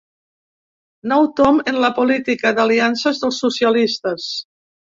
Nou tomb en la política d’aliances dels socialistes.